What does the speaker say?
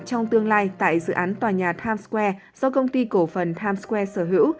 trong tương lai tại dự án tòa nhà times square do công ty cổ phần times square sở hữu